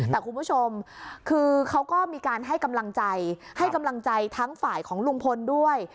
แต่คุณผู้ชมคือเขาก็มีการให้กำลังใจให้กำลังใจทั้งฝ่ายของลุงพลด้วย